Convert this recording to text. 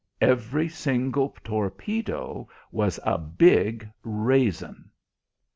Every single torpedo was a big raisin!